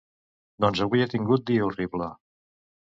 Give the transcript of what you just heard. Doncs avui he tingut dia horrible.